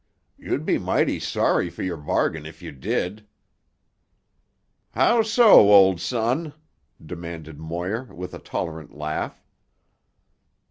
"You'd be mighty sorry for your bargain if you did." "How so, old son?" demanded Moir with a tolerant laugh.